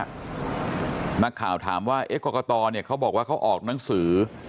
เมื่อก่อนนี้หนักข่าวถามว่าเอ๊กกะตอเนี่ยเขาบอกว่าเขาออกหนังสือ